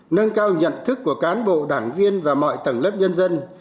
nâng cao nhận thức của cán bộ đảng viên và mọi tầng lớp nhân dân